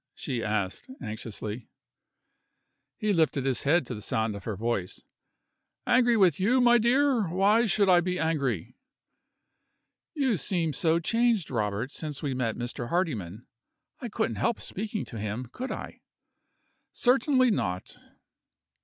she asked, anxiously. He lifted his head it the sound of her voice. "Angry with you, my dear! why should I be angry?" "You seem so changed, Robert, since we met Mr. Hardyman. I couldn't help speaking to him could I?" "Certainly not."